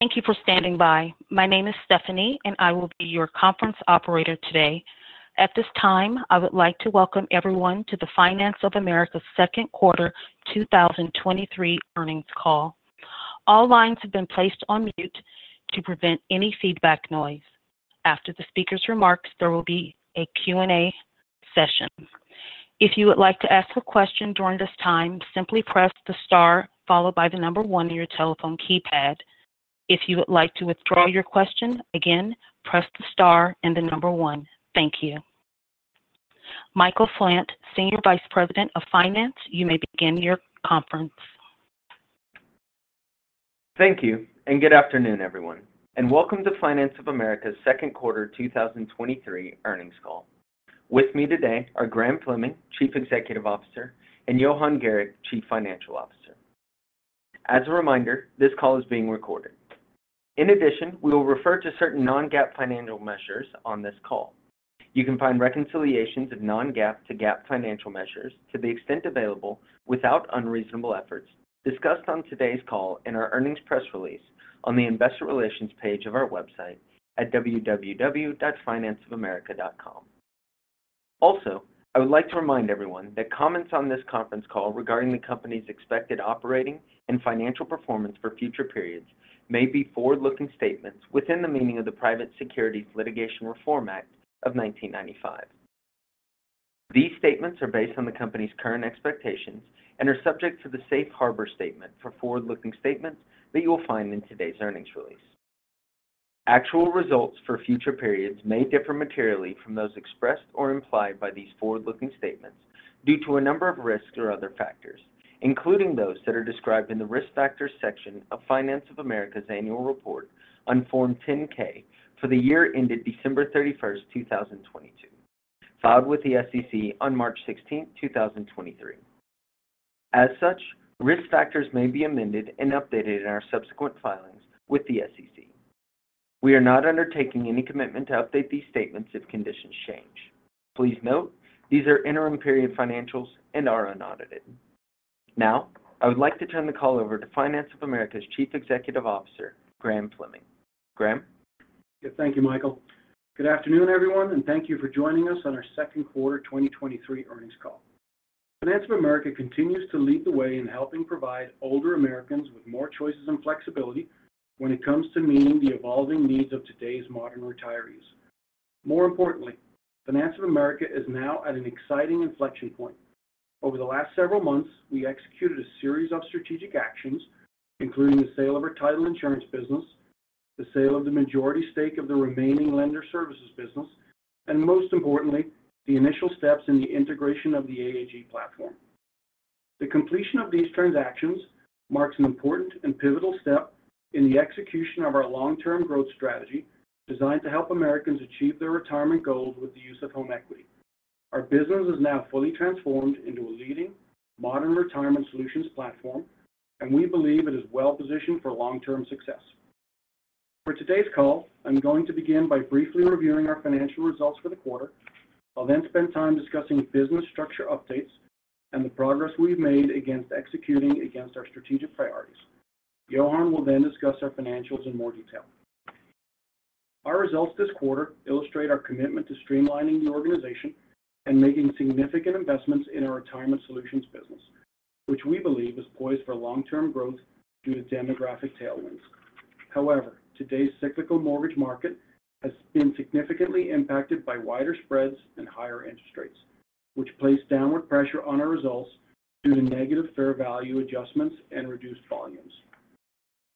Thank you for standing by. My name is Stephanie, and I will be your conference operator today. At this time, I would like to welcome everyone to the Finance of America second quarter 2023 earnings call. All lines have been placed on mute to prevent any feedback noise. After the speaker's remarks, there will be a Q&A session. If you would like to ask a question during this time, simply press the star followed by the 1 on your telephone keypad. If you would like to withdraw your question again, press the star and the 1. Thank you. Michael Fant, Senior Vice President of Finance, you may begin your conference. Thank you, good afternoon, everyone, and welcome to Finance of America's second quarter 2023 earnings call. With me today are Graham Fleming, Chief Executive Officer, and Johan Gericke, Chief Financial Officer. As a reminder, this call is being recorded. In addition, we will refer to certain non-GAAP financial measures on this call. You can find reconciliations of non-GAAP to GAAP financial measures to the extent available without unreasonable efforts, discussed on today's call in our earnings press release on the investor relations page of our website at www.financeofamerica.com. Also, I would like to remind everyone that comments on this conference call regarding the company's expected operating and financial performance for future periods may be forward-looking statements within the meaning of the Private Securities Litigation Reform Act of 1995. These statements are based on the company's current expectations and are subject to the safe harbor statement for forward-looking statements that you will find in today's earnings release. Actual results for future periods may differ materially from those expressed or implied by these forward-looking statements due to a number of risks or other factors, including those that are described in the Risk Factors section of Finance of America's Annual Report on Form 10-K for the year ended December 31, 2022, filed with the SEC on March 16, 2023. Such risk factors may be amended and updated in our subsequent filings with the SEC. We are not undertaking any commitment to update these statements if conditions change. Please note, these are interim period financials and are unaudited. I would like to turn the call over to Finance of America's Chief Executive Officer, Graham Fleming. Graham? Yeah. Thank you, Michael. Good afternoon, everyone, thank you for joining us on our second quarter 2023 earnings call. Finance of America continues to lead the way in helping provide older Americans with more choices and flexibility when it comes to meeting the evolving needs of today's modern retirees. More importantly, Finance of America is now at an exciting inflection point. Over the last several months, we executed a series of strategic actions, including the sale of our title insurance business, the sale of the majority stake of the remaining lender services business, and most importantly, the initial steps in the integration of the AAG platform. The completion of these transactions marks an important and pivotal step in the execution of our long-term growth strategy, designed to help Americans achieve their retirement goals with the use of home equity. Our business is now fully transformed into a leading modern retirement solutions platform. We believe it is well positioned for long-term success. For today's call, I'm going to begin by briefly reviewing our financial results for the quarter. I'll spend time discussing business structure updates and the progress we've made against executing against our strategic priorities. Johan will discuss our financials in more detail. Our results this quarter illustrate our commitment to streamlining the organization and making significant investments in our Retirement Solutions business, which we believe is poised for long-term growth due to demographic tailwinds. However, today's cyclical mortgage market has been significantly impacted by wider spreads and higher interest rates, which place downward pressure on our results due to negative fair value adjustments and reduced volumes.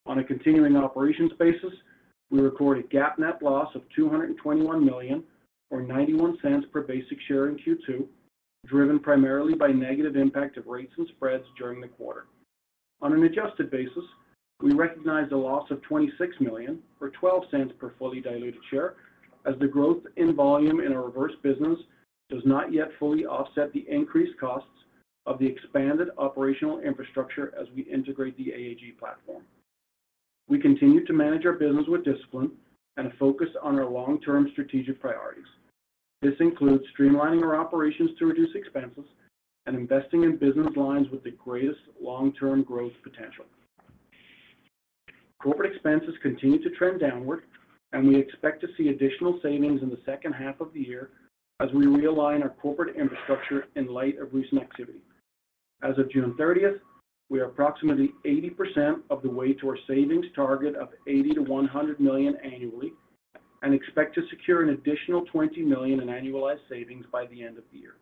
On a continuing operations basis, we record a GAAP net loss of $221 million, or $0.91 per basic share in Q2, driven primarily by negative impact of rates and spreads during the quarter. On an adjusted basis, we recognize a loss of $26 million or $0.12 per fully diluted share, as the growth in volume in our reverse business does not yet fully offset the increased costs of the expanded operational infrastructure as we integrate the AAG platform. We continue to manage our business with discipline and a focus on our long-term strategic priorities. This includes streamlining our operations to reduce expenses and investing in business lines with the greatest long-term growth potential. Corporate expenses continue to trend downward, and we expect to see additional savings in the second half of the year as we realign our corporate infrastructure in light of recent activity. As of June 30th, we are approximately 80% of the way to our savings target of $80 million-$100 million annually and expect to secure an additional $20 million in annualized savings by the end of the year.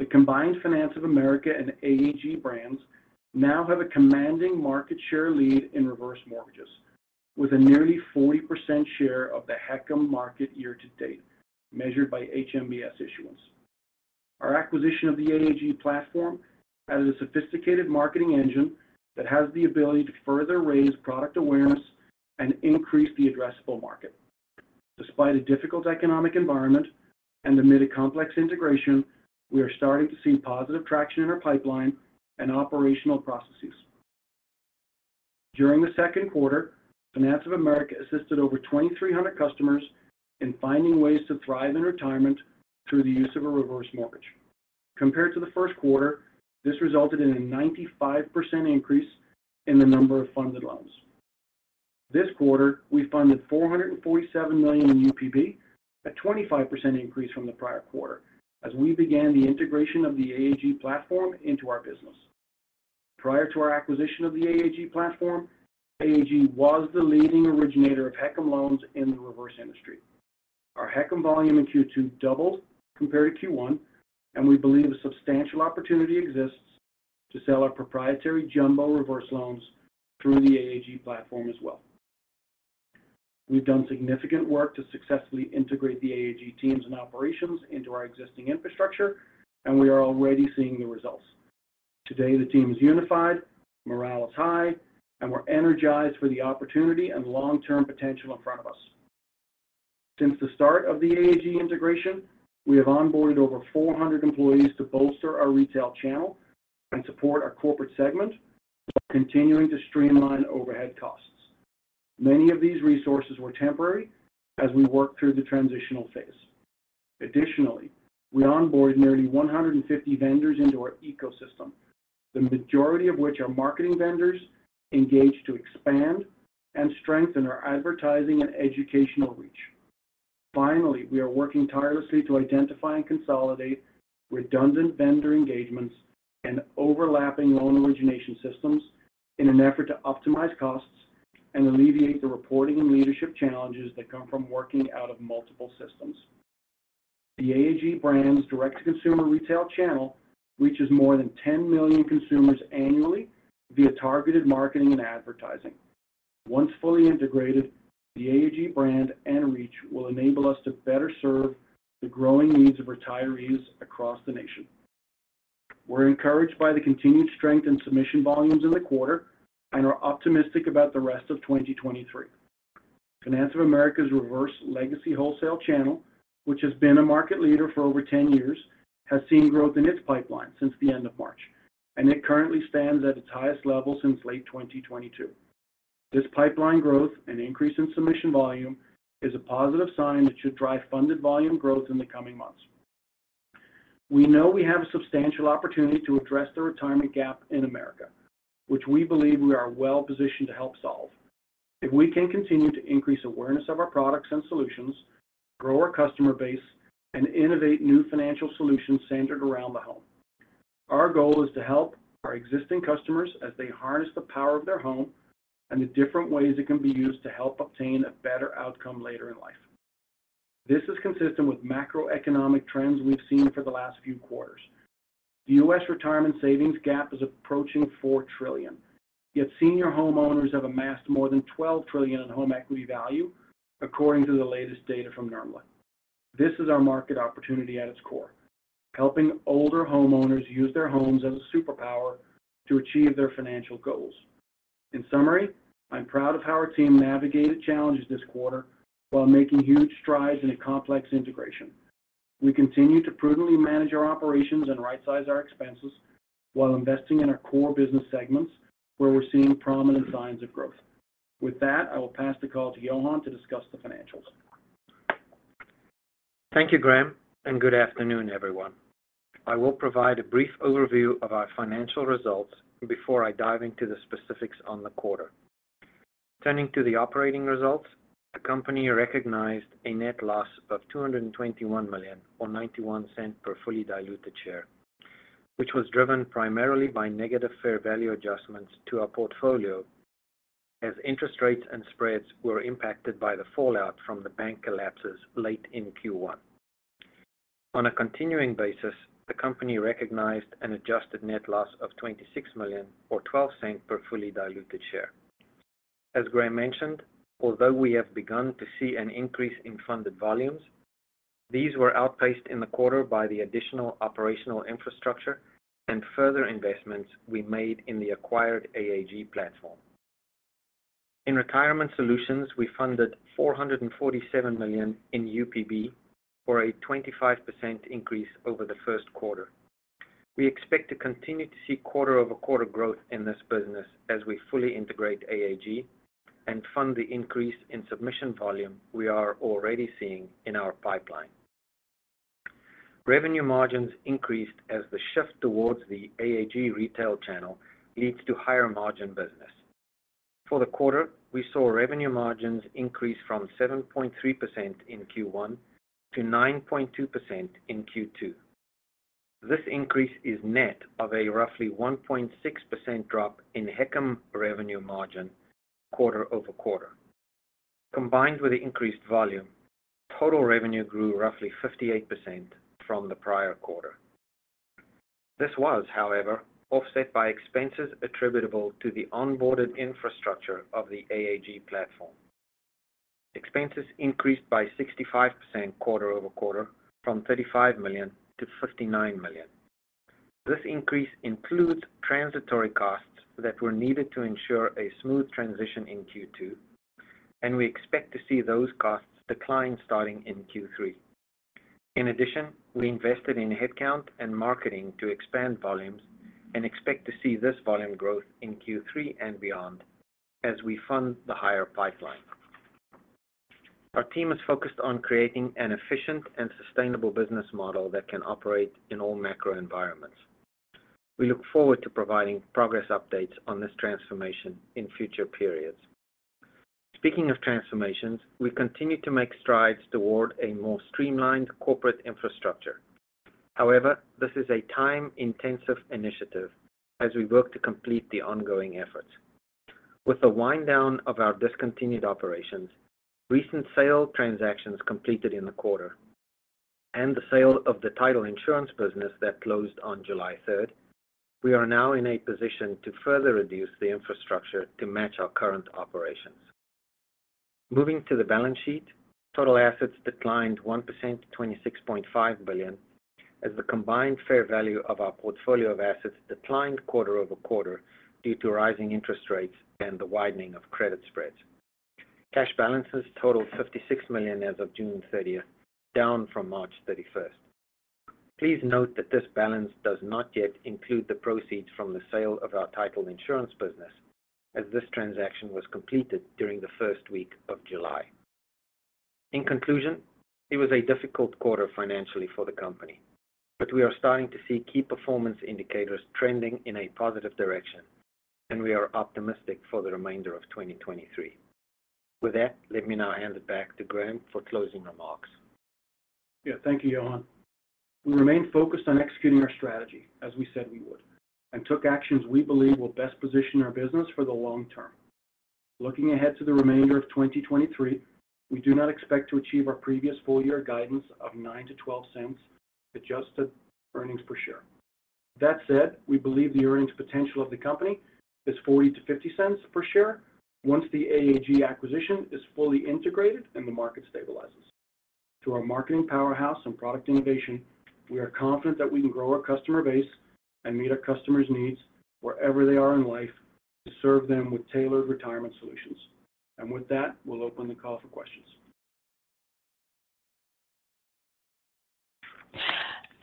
The combined Finance of America and AAG brands now have a commanding market share lead in reverse mortgages, with a nearly 40% share of the HECM market year-to-date, measured by HMBS issuance. Our acquisition of the AAG platform as a sophisticated marketing engine that has the ability to further raise product awareness and increase the addressable market. Despite a difficult economic environment and amid a complex integration, we are starting to see positive traction in our pipeline and operational processes. During the second quarter, Finance of America assisted over 2,300 customers in finding ways to thrive in retirement through the use of a reverse mortgage. Compared to the first quarter, this resulted in a 95% increase in the number of funded loans. This quarter, we funded $447 million in UPB, a 25% increase from the prior quarter, as we began the integration of the AAG platform into our business. Prior to our acquisition of the AAG platform, AAG was the leading originator of HECM loans in the reverse industry. Our HECM volume in Q2 doubled compared to Q1, and we believe a substantial opportunity exists to sell our proprietary jumbo reverse loans through the AAG platform as well. We've done significant work to successfully integrate the AAG teams and operations into our existing infrastructure, and we are already seeing the results. Today, the team is unified, morale is high, and we're energized for the opportunity and long-term potential in front of us. Since the start of the AAG integration, we have onboarded over 400 employees to bolster our retail channel and support our corporate segment, while continuing to streamline overhead costs. Many of these resources were temporary as we worked through the transitional phase. Additionally, we onboarded nearly 150 vendors into our ecosystem, the majority of which are marketing vendors engaged to expand and strengthen our advertising and educational reach. We are working tirelessly to identify and consolidate redundant vendor engagements and overlapping loan origination systems in an effort to optimize costs and alleviate the reporting and leadership challenges that come from working out of multiple systems. The AAG brand's direct-to-consumer retail channel reaches more than 10 million consumers annually via targeted marketing and advertising. Once fully integrated, the AAG brand and reach will enable us to better serve the growing needs of retirees across the nation. We're encouraged by the continued strength in submission volumes in the quarter and are optimistic about the rest of 2023. Finance of America Reverse legacy wholesale channel, which has been a market leader for over 10 years, has seen growth in its pipeline since the end of March, and it currently stands at its highest level since late 2022. This pipeline growth and increase in submission volume is a positive sign that should drive funded volume growth in the coming months. We know we have a substantial opportunity to address the retirement gap in America, which we believe we are well-positioned to help solve. If we can continue to increase awareness of our products and solutions, grow our customer base, and innovate new financial solutions centered around the home. Our goal is to help our existing customers as they harness the power of their home and the different ways it can be used to help obtain a better outcome later in life. This is consistent with macroeconomic trends we've seen for the last few quarters. The U.S. retirement savings gap is approaching $4 trillion, yet senior homeowners have amassed more than $12 trillion in home equity value, according to the latest data from NRMLA. This is our market opportunity at its core, helping older homeowners use their homes as a superpower to achieve their financial goals. In summary, I'm proud of how our team navigated challenges this quarter while making huge strides in a complex integration. We continue to prudently manage our operations and right-size our expenses while investing in our core business segments, where we're seeing prominent signs of growth. With that, I will pass the call to Johan to discuss the financials. Thank you, Graham. Good afternoon, everyone. I will provide a brief overview of our financial results before I dive into the specifics on the quarter. Turning to the operating results, the company recognized a net loss of $221 million or $0.91 per fully diluted share, which was driven primarily by negative fair value adjustments to our portfolio as interest rates and spreads were impacted by the fallout from the bank collapses late in Q1. On a continuing basis, the company recognized an adjusted net loss of $26 million or $0.12 per fully diluted share. As Graham mentioned, although we have begun to see an increase in funded volumes, these were outpaced in the quarter by the additional operational infrastructure and further investments we made in the acquired AAG platform. In Retirement Solutions, we funded $447 million in UPB, for a 25% increase over the first quarter. We expect to continue to see quarter-over-quarter growth in this business as we fully integrate AAG and fund the increase in submission volume we are already seeing in our pipeline. Revenue margins increased as the shift towards the AAG retail channel leads to higher margin business. For the quarter, we saw revenue margins increase from 7.3% in Q1 to 9.2% in Q2. This increase is net of a roughly 1.6% drop in HECM revenue margin quarter-over-quarter. Combined with the increased volume, total revenue grew roughly 58% from the prior quarter. This was, however, offset by expenses attributable to the onboarded infrastructure of the AAG platform. Expenses increased by 65% quarter-over-quarter from $35 million to $59 million. This increase includes transitory costs that were needed to ensure a smooth transition in Q2, and we expect to see those costs decline starting in Q3. In addition, we invested in headcount and marketing to expand volumes and expect to see this volume growth in Q3 and beyond as we fund the higher pipeline. Our team is focused on creating an efficient and sustainable business model that can operate in all macro environments. We look forward to providing progress updates on this transformation in future periods. Speaking of transformations, we've continued to make strides toward a more streamlined corporate infrastructure. However, this is a time-intensive initiative as we work to complete the ongoing efforts. With the wind down of our discontinued operations, recent sale transactions completed in the quarter, and the sale of the title insurance business that closed on July 3rd, we are now in a position to further reduce the infrastructure to match our current operations. Moving to the balance sheet, total assets declined 1% to $26.5 billion, as the combined fair value of our portfolio of assets declined quarter-over-quarter due to rising interest rates and the widening of credit spreads. Cash balances totaled $56 million as of June 30th, down from March 31st. Please note that this balance does not yet include the proceeds from the sale of our Title Insurance Business, as this transaction was completed during the first week of July. In conclusion, it was a difficult quarter financially for the company, but we are starting to see key performance indicators trending in a positive direction, and we are optimistic for the remainder of 2023. With that, let me now hand it back to Graham for closing remarks. Yeah, thank you, Johan. We remain focused on executing our strategy, as we said we would, and took actions we believe will best position our business for the long term. Looking ahead to the remainder of 2023, we do not expect to achieve our previous full year guidance of $0.09-$0.12 adjusted earnings per share. That said, we believe the earnings potential of the company is $0.40-$0.50 per share once the AAG acquisition is fully integrated and the market stabilizes. To our marketing powerhouse and product innovation, we are confident that we can grow our customer base and meet our customers' needs wherever they are in life, to serve them with tailored Retirement Solutions. With that, we'll open the call for questions.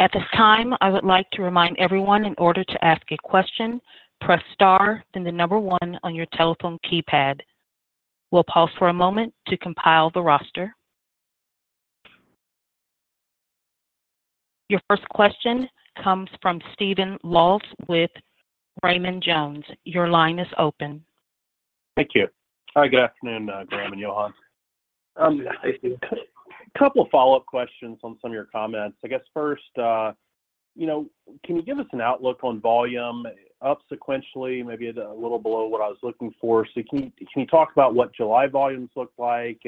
At this time, I would like to remind everyone in order to ask a question, press star, then the number one on your telephone keypad. We'll pause for a moment to compile the roster. Your first question comes from Stephen Laws with Raymond James. Your line is open. Thank you. Hi, good afternoon, Graham and Johan. A couple of follow-up questions on some of your comments. I guess first, you know, can you give us an outlook on volume up sequentially? Maybe a little below what I was looking for. Can you, can you talk about what July volumes look like,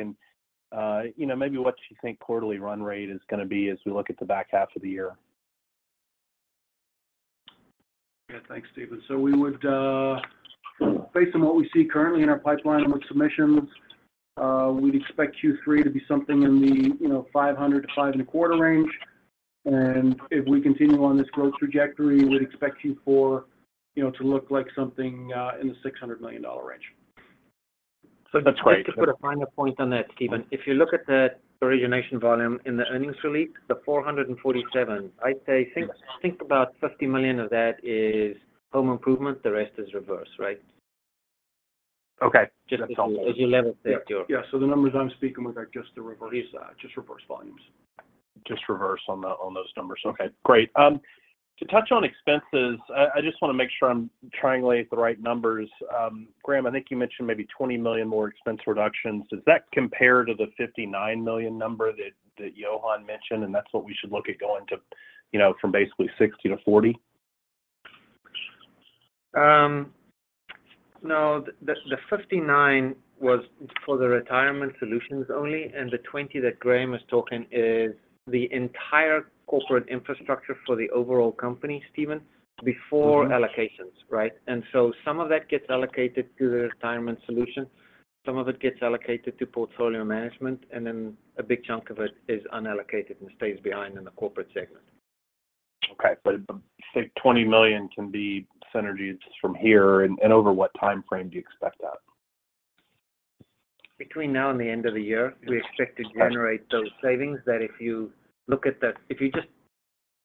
and, you know, maybe what you think quarterly run rate is gonna be as we look at the back half of the year? Yeah, thanks, Stephen. We would, based on what we see currently in our pipeline with submissions, we'd expect Q3 to be something in the, you know, $500 million-$525 million range. If we continue on this growth trajectory, we'd expect Q4, you know, to look like something, in the $600 million range. Just to put a finer point on that, Stephen, if you look at the origination volume in the earnings release, the $447 million, I'd say think about $50 million of that is home improvement. The rest is reverse, right? Okay. Just as you level set. Yeah. Yeah, the numbers I'm speaking with are just the reverse, just reverse volumes. Just reverse on those numbers. Okay, great. To touch on expenses, I just want to make sure I'm triangulating the right numbers. Graham, I think you mentioned maybe $20 million more expense reductions. Does that compare to the $59 million number that Johan mentioned, and that's what we should look at going to, you know, from basically 60 to 40? No, the, the 59 was for the Retirement Solutions only, and the 20 that Graham is talking is the entire corporate infrastructure for the overall company, Stephen, before allocations, right? Some of that gets allocated to the Retirement Solutions, some of it gets allocated to portfolio management, and then a big chunk of it is unallocated and stays behind in the corporate segment. Okay, say $20 million can be synergies from here, and over what time frame do you expect that? Between now and the end of the year, we expect to generate those savings, that if you look at the if you just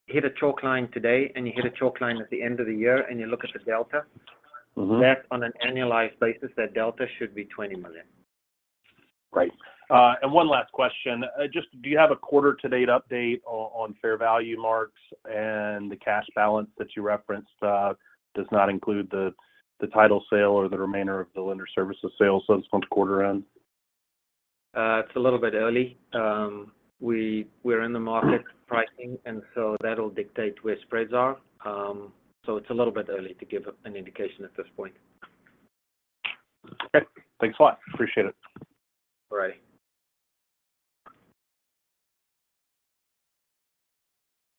hit a chalk line today, and you hit a chalk line at the end of the year, and you look at the delta... Mm-hmm... that on an annualized basis, that delta should be $20 million. Great. One last question. Just do you have a quarter-to-date update on, on fair value marks and the cash balance that you referenced, does not include the title sale or the remainder of the lender services sale since once quarter end? It's a little bit early. We're in the market pricing, and so that'll dictate where spreads are. So it's a little bit early to give a, an indication at this point. Okay. Thanks a lot. Appreciate it. All right.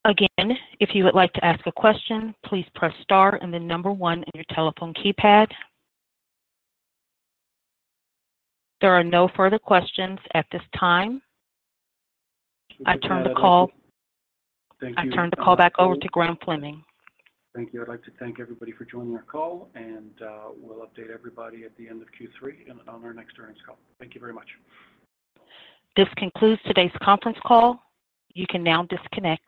Again, if you would like to ask a question, please press star and then number one in your telephone keypad. There are no further questions at this time. I turn the call... Thank you. I turn the call back over to Graham Fleming. Thank you. I'd like to thank everybody for joining our call, and we'll update everybody at the end of Q3 and on our next earnings call. Thank you very much. This concludes today's conference call. You can now disconnect.